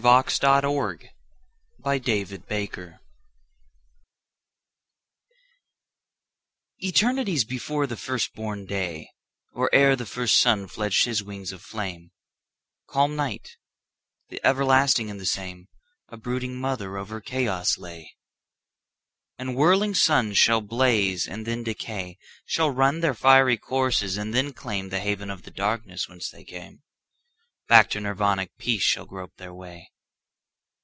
1922. Mother Night ETERNITIES before the first born day, Or ere the first sun fledged his wings of flame, Calm Night, the everlasting and the same,A brooding mother over chaos lay. And whirling suns shall blaze and then decay, Shall run their fiery courses and then claimThe haven of the darkness whence they came; Back to Nirvanic peace shall grope their way.